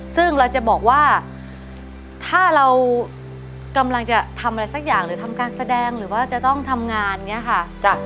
ซึ่งเราจะบอกว่าถ้าเรากำลังจะทำอะไรสักอย่างหรือทำการแสดงหรือว่าจะต้องทำงานอย่างนี้ค่ะ